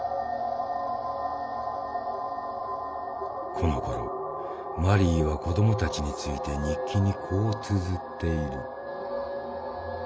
このころマリーは子どもたちについて日記にこうつづっている。